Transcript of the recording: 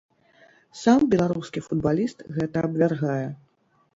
Сам беларускі футбаліст гэта абвяргае.